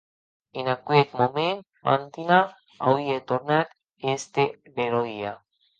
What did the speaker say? En aqueth moment Fantina auie tornat a èster beròia.